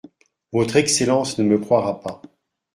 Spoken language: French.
Votre Excellence ne me croira pas.